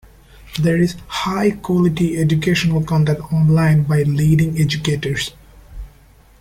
There is high-quality educational content online by leading educators.